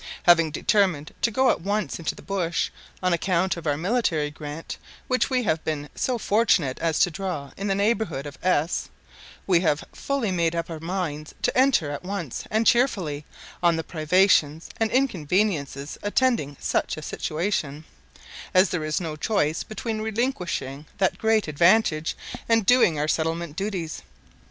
Having determined to go at once into the bush, on account of our military grant, which we have been so fortunate as to draw in the neighbourhood of S , we have fully made up our minds to enter at once, and cheerfully, on the privations and inconveniences attending such a situation; as there is no choice between relinquishing that great advantage and doing our settlement duties.